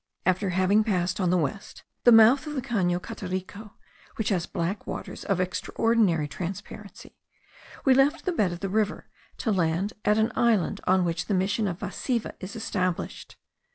After having passed on the west the mouth of the Cano Caterico, which has black waters of extraordinary transparency, we left the bed of the river, to land at an island on which the mission of Vasiva is established.